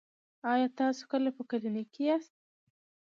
ایا تاسو کله په کلینیک کې یاست؟